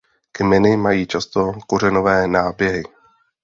Kmeny mají často kořenové náběhy.